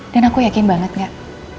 dan aku yakin banget gak